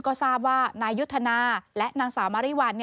ก็ทราบว่านายยุทธนาและนางสาวมาริวัล